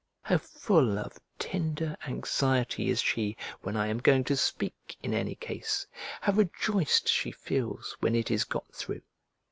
How full of tender anxiety is she when I am going to speak in any case, how rejoiced she feels when it is got through.